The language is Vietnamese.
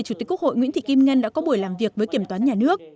chủ tịch quốc hội nguyễn thị kim ngân đã có buổi làm việc với kiểm toán nhà nước